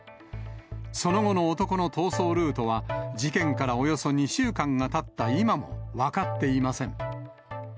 その後の男の逃走ルートは、事件からおよそ２週間がたった今も分かっていません。